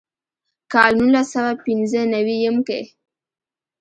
کال نولس سوه پينځۀ نوي يم کښې